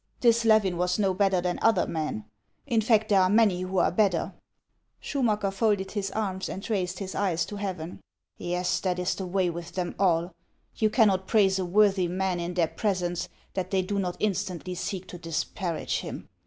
This Levin was no better than other men. In fact, there are many who are better." 266 HANS OF ICELAND. Schuraacker folded his arms, and raised his eyes to heaven. "Yes, that is the way with them all. You can not praise a worthy man in their presence, that they do not instantly seek to disparage him.